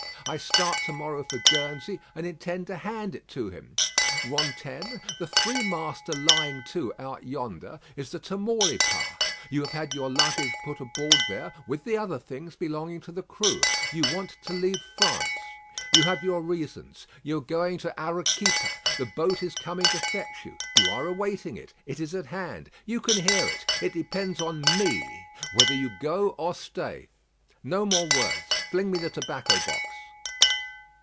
I start to morrow for Guernsey, and intend to hand it to him. Rantaine, the three master lying to out yonder is the Tamaulipas. You have had your luggage put aboard there with the other things belonging to the crew. You want to leave France. You have your reasons. You are going to Arequipa. The boat is coming to fetch you. You are awaiting it. It is at hand. You can hear it. It depends on me whether you go or stay. No more words. Fling me the tobacco box."